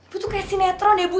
bu tuh kayak sinetron ya bu